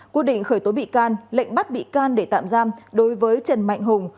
quyết định khởi tố bị can lệnh bắt bị can để tạm giam đối với trần mạnh hùng